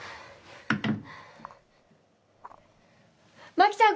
真紀ちゃん